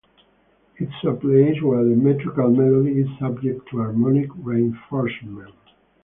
It is a place where the metrical melody is subject to harmonic reinforcement.